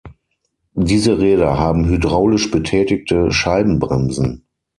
Diese Räder haben hydraulisch betätigte Scheibenbremsen.